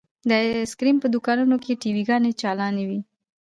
د ايسکريم په دوکانونو کښې ټي وي ګانې چالانې وې.